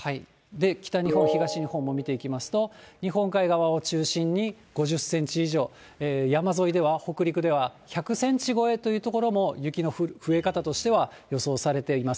北日本、東日本も見ていきますと、日本海側を中心に５０センチ以上、山沿いでは、北陸では１００センチ超えという所も、雪の増え方としては、予想されています。